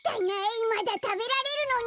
まだたべられるのに。